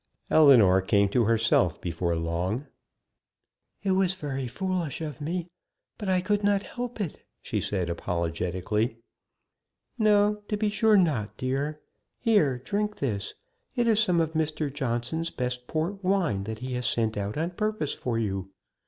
Ellinor came to herself before long. "It was very foolish of me, but I could not help it," said she, apologetically. "No; to be sure not, dear. Here, drink this; it is some of Mr. Johnson's best port wine that he has sent out on purpose for you.